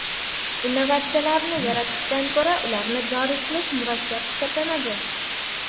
Innovatsiyalarni yaratishdan ko‘ra ularni joriy qilish murakkab hisoblanadi